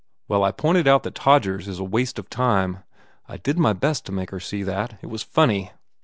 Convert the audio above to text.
Well, I pointed out that Todgers is a waste of time. I did my best to make her see that. It was funny ...